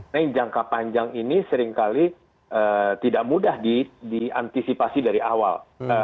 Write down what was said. nah yang jangka panjang ini seringkali tidak mudah diantisipasi dari awal